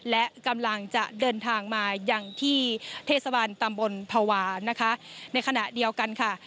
และกำลังจะเดินทางมาอย่างที่เทศบาลตำบลภาวะนะคะในขณะเดียวกันค่ะ